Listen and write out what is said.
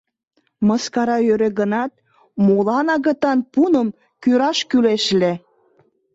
Мыскара йӧре гынат, молан агытан пуным кӱраш кӱлеш ыле?